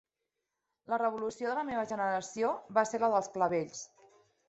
La revolució de la meva generació va ser la dels clavells.